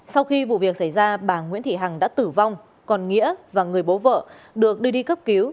sau khi vụ việc xảy ra bà nguyễn thị hằng đã tử vong còn nghĩa và người bố vợ được đưa đi cấp cứu